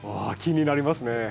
あ気になりますね！